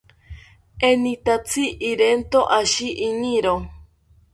Enitatzi irento ashi iniro